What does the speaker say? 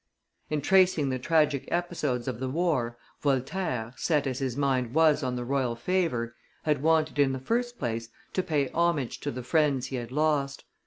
In tracing the tragic episodes of the war, Voltaire, set as his mind was on the royal favor, had wanted in the first place to pay homage to the friends he had lost.